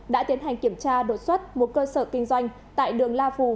đã tiến hành kiểm tra đột xuất một cơ sở kinh doanh tại đường la phù